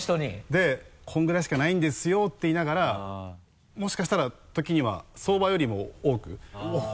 で「このぐらいしかないんですよ」って言いながらもしかしたら時には相場よりも多く。